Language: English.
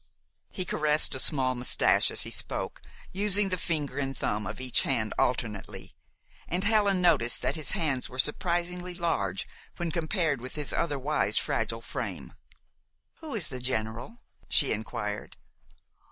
He caressed a small mustache as he spoke, using the finger and thumb of each hand alternately, and Helen noticed that his hands were surprisingly large when compared with his otherwise fragile frame. "Who is the General?" she inquired.